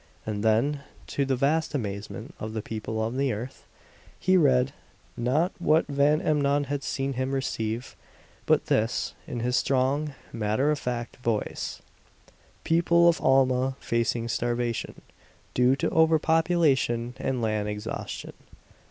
And then, to the vast amazement of the people on the earth, he read not what Van Emmon had seen him receive, but this, in his strong, matter of fact voice: "People of Alma facing starvation, due to overpopulation and land exhaustion.